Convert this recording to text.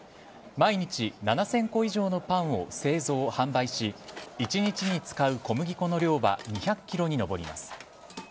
毎日７０００個以上のパンを製造、販売し１日に使う小麦粉の量は２００ｋｇに上ります。